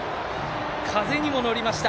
風にも乗りました